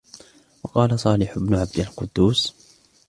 وَقَالَ صَالِحُ بْنُ عَبْدِ الْقُدُّوسِ